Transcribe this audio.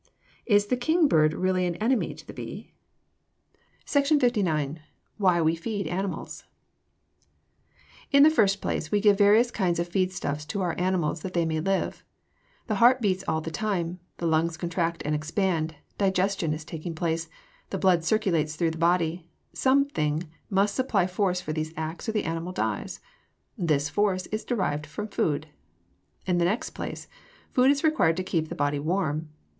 Is the kingbird really an enemy to the bee? SECTION LIX. WHY WE FEED ANIMALS In the first place, we give various kinds of feed stuffs to our animals that they may live. The heart beats all the time, the lungs contract and expand, digestion is taking place, the blood circulates through the body something must supply force for these acts or the animal dies. This force is derived from food. In the next place, food is required to keep the body warm.